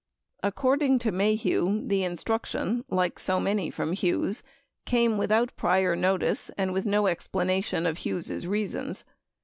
According to Maheu, the instruction, like so many from Hughes, came without prior notice and with no explanation of Hughes' reasons.